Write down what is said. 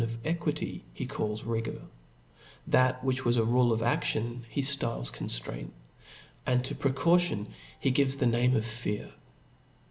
of equity, he calls rigour $ what was a rule of aftion, he ftiies conftraint ; and to precaution he gives the name of fear.